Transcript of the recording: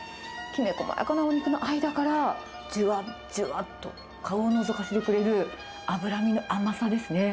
きめ細かなお肉の間からじゅわっじゅわっと顔をのぞかせてくれる脂身の甘さですね。